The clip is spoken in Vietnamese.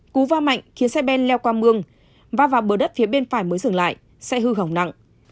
cú va mạnh khiến xe ben leo qua mương và vào bờ đất phía bên phải mới dừng lại sẽ hư hỏng nặng